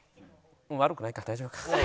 悪くないか大丈夫か。